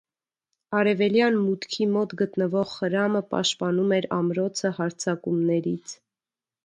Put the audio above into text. Արևելյան մուտքի մոտ գտնվող խրամը պաշտպանում էր ամրոցը հարձակումներից։